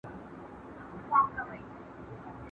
- نه زما ترکاري بده راځي.